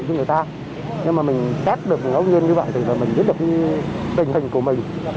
cho người ta nhưng mà mình test được ngẫu nhiên như vậy thì mình biết được tình hình của mình